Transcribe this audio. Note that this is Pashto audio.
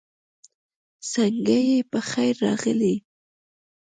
سنګه یی پخير راغلې